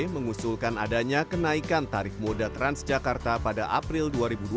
mengusulkan adanya kenaikan tarif moda transjakarta pada april dua ribu dua puluh